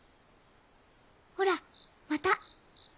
ほらまた！